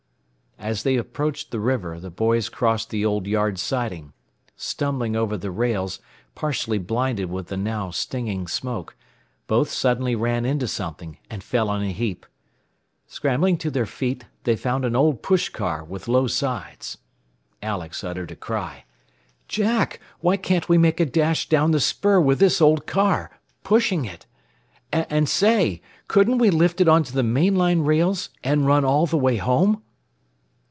As they approached the river, the boys crossed the old yard siding. Stumbling over the rails, partially blinded with the now stinging smoke, both suddenly ran into something, and fell in a heap. Scrambling to their feet, they found an old push car, with low sides. Alex uttered a cry. "Jack, why can't we make a dash down the spur with this old car pushing it? And say, couldn't we lift it onto the main line rails, and run all the way home?"